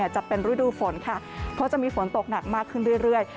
จะเป็นฤดูฝนค่ะเพราะจะมีฝนตกหนักมากขึ้นเรื่อย